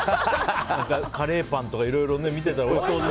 カレーパンとかいろいろ見てたらおいしそうで。